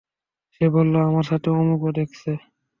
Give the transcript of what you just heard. সে বলল, আমার সাথে অমুকও দেখেছে।